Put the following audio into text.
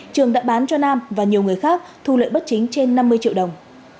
trường đã bán cho nam và nhiều người khác thu lợi bất chính trên năm mươi triệu đồng